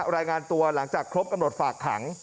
รายงานตัวหลังจากครบกำหนดฝากขัง